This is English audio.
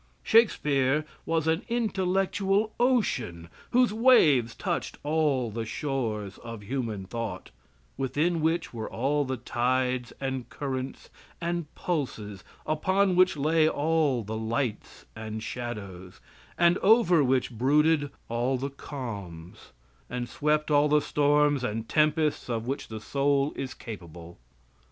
Shakespeare was an intellectual ocean whose waves touched all the shores of human thought, within which were all the tides and currents and pulses upon which lay all the lights and shadows, and over which brooded all the calms, and swept all the storms and tempests of which the soul is capable.